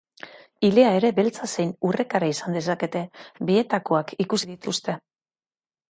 Ilea ere beltza zein urrekara izan dezakete, bietakoak ikusi dituzte.